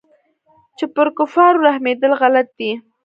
چې پر كفارو رحمېدل غلط دي.